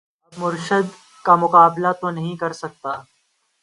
اب مرشد کا مقابلہ تو نہیں کر سکتا